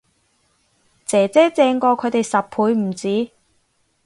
姐姐正過佢哋十倍唔止